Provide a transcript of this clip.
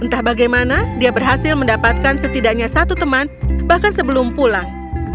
entah bagaimana dia berhasil mendapatkan setidaknya satu teman bahkan sebelum pulang